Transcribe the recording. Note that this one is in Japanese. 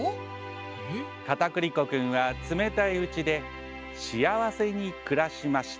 かたくり粉くんは冷たいうちで幸せに暮らしました」。